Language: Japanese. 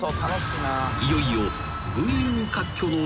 ［いよいよ］